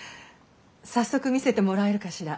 早速見せてもらえるかしら。